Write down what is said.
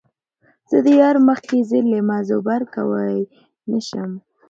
زۀ د يار مخکښې زېر لېمۀ زبَر کؤلے نۀ شم